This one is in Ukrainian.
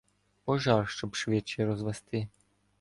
Пожар щоб швидче розвести.